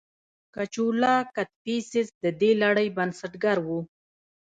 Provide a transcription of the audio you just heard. کجولا کدفیسس د دې لړۍ بنسټګر و